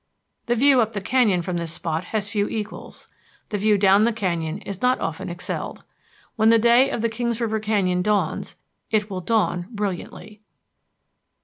The view up the canyon from this spot has few equals. The view down the canyon is not often excelled. When the day of the Kings River Canyon dawns, it will dawn brilliantly.